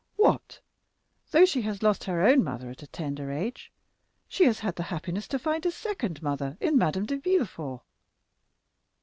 What though she has lost her own mother at a tender age, she has had the happiness to find a second mother in Madame de Villefort.